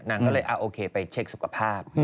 นางก็เลยโอเคไปเช็คสุขภาพ